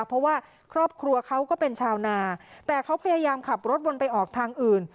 เพราะว่าครอบครัวเขาก็เป็นชาวนาแต่เขาพยายามขับรถวนไปออกทางอื่น